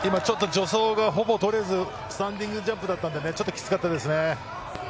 ちょっと助走がほぼ取れずスタンディングジャンプだったのできつかったですね。